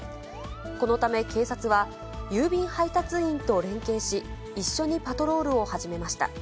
このため、警察は郵便配達員と連携し、一緒にパトロールを始めました。